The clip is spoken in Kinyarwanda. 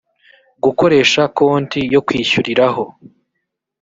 gukoresha konti yo kwishyuriraho